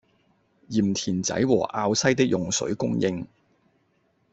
鹽田仔和滘西的用水供應